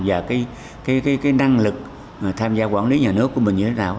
và cái năng lực tham gia quản lý nhà nước của mình như thế nào